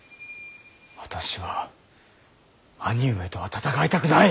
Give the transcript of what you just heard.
私は兄上とは戦いたくない。